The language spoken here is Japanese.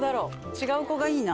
違う子がいいな。